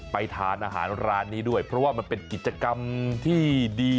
ทานอาหารร้านนี้ด้วยเพราะว่ามันเป็นกิจกรรมที่ดี